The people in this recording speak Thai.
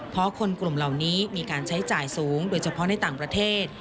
เพราะคนกลุ่มเหล่านี้มีการใช้จ่ายสูงโดยเฉพาะในต่างประเทศ